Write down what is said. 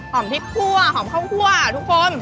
พริกคั่วหอมข้าวคั่วทุกคน